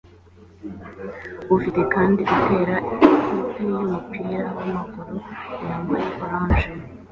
Ufite kandi utera ikipe yumupira wamaguru yambaye orange